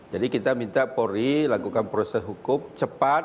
jadi kita minta polri lakukan proses hukum cepat